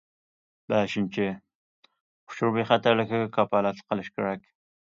بەشىنچى، ئۇچۇر بىخەتەرلىكىگە كاپالەتلىك قىلىش كېرەك.